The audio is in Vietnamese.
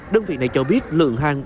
đơn vị này cho biết lượng hàng